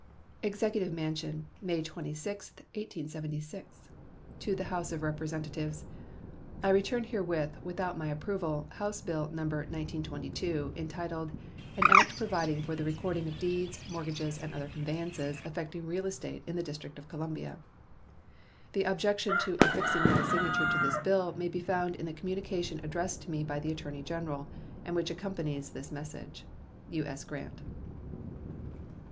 EXECUTIVE MANSION, May 26, 1876. To the House of Representatives: I return herewith without my approval House bill No. 1922, entitled "An act providing for the recording of deeds, mortgages, and other conveyances affecting real estate in the District of Columbia." The objection to affixing my signature to this bill may be found in the communication addressed to me by the Attorney General, and which accompanies this message. U.S. GRANT.